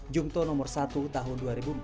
jungto nomor satu tahun dua ribu empat belas